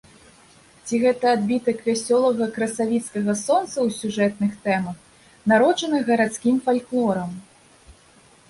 Ці гэта адбітак вясёлага красавіцкага сонца ў сюжэтных тэмах, народжаных гарадскім фальклорам?